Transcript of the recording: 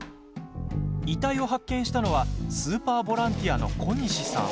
遺体を発見したのはスーパーボランティアの小西さん。